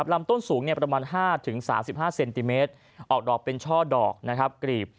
ลำต้นสูงประมาณ๕๓๕เซนติเมตรออกดอกเป็นช่อดอกนะครับกรีบ